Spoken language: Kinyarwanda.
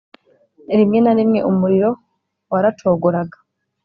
Rimwe na rimwe umuriro waracogoraga,